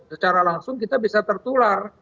secara langsung kita bisa tertular